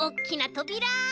とびら？